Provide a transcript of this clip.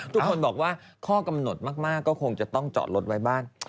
ทุกคนบอกว่าข้อกำหนดมากก็คงจะต้องจอดรถไว้บ้าน